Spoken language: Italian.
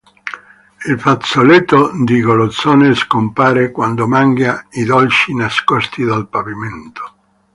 Il fazzoletto di Golosone scompare quando mangia i dolci nascosti nel pavimento.